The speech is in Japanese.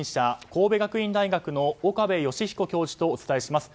神戸学院大学の岡部芳彦教授とお伝えします。